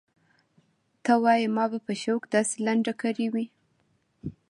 ته وايې ما به په شوق داسې لنډه کړې وي.